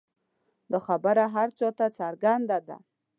دا خبره هر چا ته څرګنده ده.